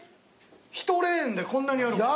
１レーンでこんなにある。